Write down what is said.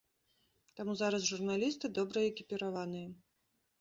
Таму зараз журналісты добра экіпіраваныя.